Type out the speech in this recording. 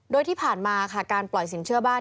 โดยที่ผ่านมาค่ะการปล่อยสินเชื่อบ้าน